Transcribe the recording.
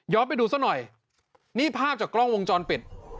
ไปดูซะหน่อยนี่ภาพจากกล้องวงจรปิด